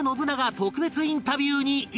特別インタビューに挑む！